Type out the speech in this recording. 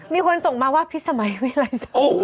มีคนส่งมาว่าพี่สมัยโอ้โห